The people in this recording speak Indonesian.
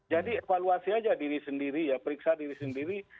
jadi evaluasi aja diri sendiri ya periksa diri sendiri